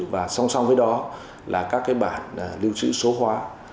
và song song với đó là các cái bản lưu trữ số hóa